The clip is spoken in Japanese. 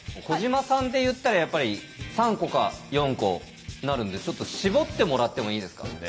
小島さんっていったらやっぱり３個か４個なるんでちょっと絞ってもらってもいいですか。